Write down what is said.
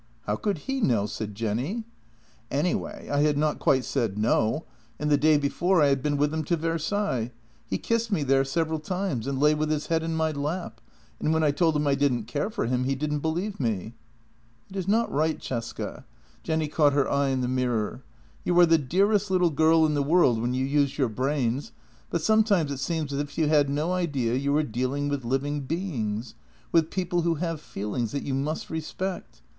" How could he know? " said Jenny. " Anyway, I had not quite said no, and the day before I had been with him to Versailles. He kissed me there several times and lay with his head in my lap, and when I told him I didn't care for him he didn't believe me." " It is not right, Cesca." Jenny caught her eye in the mirror. " You are the dearest little girl in the world when you use your brains, but sometimes it seems as if you had no idea you are dealing with living beings, with people who have feelings that you must respect.